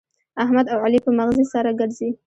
احمد او علي په مغزي سره ګرزي.